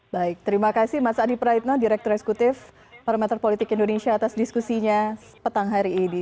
baik terima kasih mas adi praitno direktur eksekutif parameter politik indonesia atas diskusinya petang hari ini